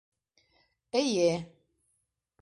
Эйе-е...